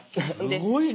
すごいな！